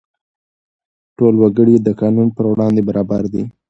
ټول وګړي د قانون پر وړاندې برابر دي.